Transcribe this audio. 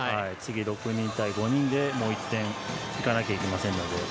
次は６人対５人でもう１回いかなきゃいけませんので。